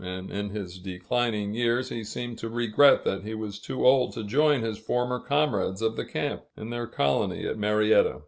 and in his declining years he seemed to regret that he was too old to join his former comrades of the camp, in their colony at Marietta.